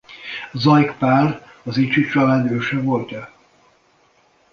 Zayk Pál a Zichy-család őse volt-e?